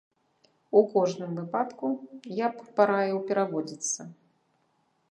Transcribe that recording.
У кожным выпадку я б параіў пераводзіцца.